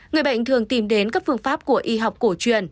người bệnh thường tìm đến các phương pháp của y học cổ truyền